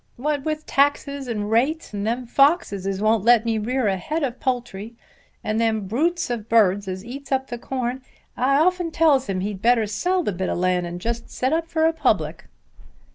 "What with taxes and rates, and them foxes as won't let me rear a head of poultry and them brutes of birds as eats up the corn, I often tells him he'd better sell the bit o' land and just set up for a public."